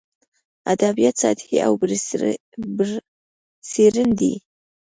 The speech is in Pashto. ادبیات سطحي او برسېرن دي.